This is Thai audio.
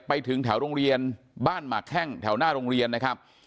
ไปถึงแถวโรงเรียนบ้านหมากแข้งแถวหน้าโรงเรียนนะครับ